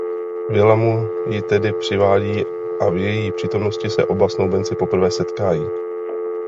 Víla mu ji tedy přivádí a v její přítomnosti se oba snoubenci poprvé setkají.